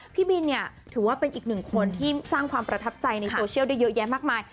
พี่บินเนี่ยถือว่าเป็นอีกหนึ่งคนที่สร้างความประทับใจในโซเชียลได้เยอะแยะมากมาย